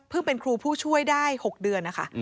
เป็นครูผู้ช่วยได้๖เดือนนะคะ